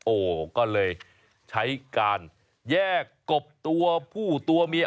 โอ้โหก็เลยใช้การแยกกบตัวผู้ตัวเมีย